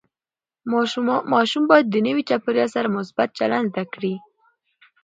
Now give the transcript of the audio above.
ماشوم باید د نوي چاپېریال سره مثبت چلند زده کړي.